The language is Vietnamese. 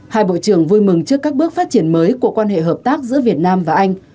hai bộ trưởng vui mừng trước các bước phát triển mới của quan hệ hợp tác giữa việt nam và anh